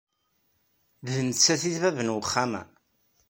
D nettat i d bab n wexxam-a?